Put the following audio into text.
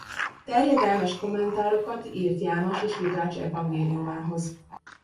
Terjedelmes kommentárokat írt János és Lukács evangéliumához.